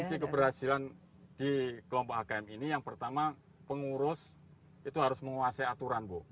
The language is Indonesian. kunci keberhasilan di kelompok hkm ini yang pertama pengurus itu harus menguasai aturan bu